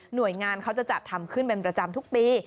โดยงานเขาจะจัดทำขึ้นเป็นประจำทุกปี